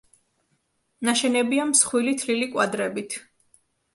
ნაშენებია მსხვილი თლილი კვადრებით.